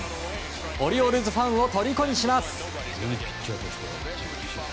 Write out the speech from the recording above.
オリオールズファンをとりこにします。